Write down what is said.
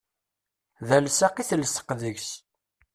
D alsaq i telseq deg-s.